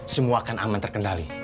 semua akan aman terkendali